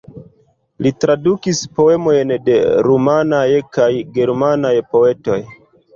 Li tradukis poemojn de rumanaj kaj germanaj poetoj.